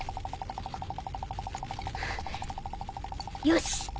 よし！